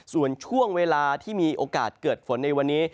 ส่วนช่วงเวลาที่มีโอกาสเกิดฝนในวันนี้